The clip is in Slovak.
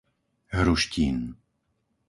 Hruštín